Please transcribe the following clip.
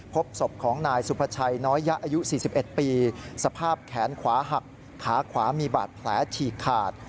พบศพของนายสุภาชัยน้อยยะอายุ๔๑ปีสภาพแขนขวาหักขาขวามีบาดแผลฉีกขาด